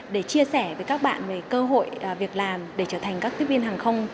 để chia sẻ với các bạn về cơ hội việc làm để trở thành các tiếp viên hàng không